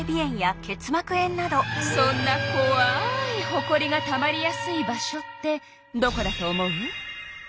そんなこわいほこりがたまりやすい場所ってどこだと思う？